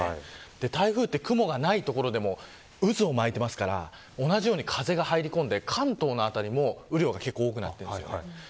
台風は雲がない所でも渦を巻いていますから同じように風が入り込んで関東の辺りも雨量が結構大きくなっています。